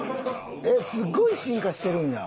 えっすごい進化してるんや。